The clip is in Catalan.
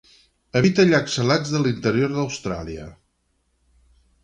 Habita llacs salats de l'interior d'Austràlia.